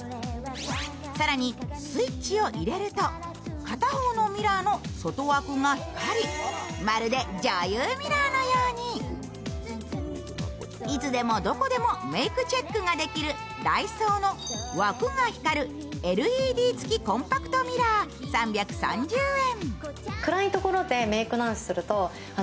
更にスイッチを入れると、片方のミラーの外枠が光り、まるで女優ミラーのように。いつでもどこでもメイクチェックができるダイソーの枠が光るＬＥＤ付コンパクトミラー３３０円。